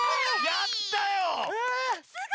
やったね。